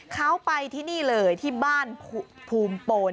เขาไปที่นี่เลยที่บ้านภูมิปน